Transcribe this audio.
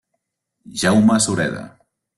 Jaume Sureda.